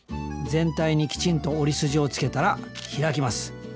全体にきちんと折り筋をつけたら開きます